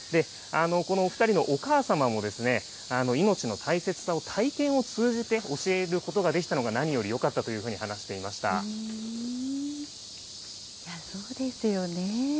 このお２人のお母様も命の大切さを体験を通じて教えることができたのが、何よりよかったというふそうですよね。